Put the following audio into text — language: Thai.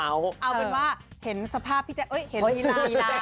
เอาเป็นว่าเห็นสภาพเอ้ยเห็นอิลา